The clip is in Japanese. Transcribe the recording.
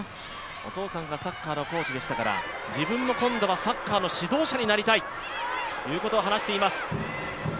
お父さんがサッカーのコーチでしたから自分も今度はサッカーの指導者になりたいと話しています。